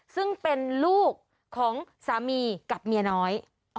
ซึ่งเป็นลูกของสามีกับเมียน้อย